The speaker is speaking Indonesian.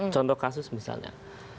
contoh kasus misalnya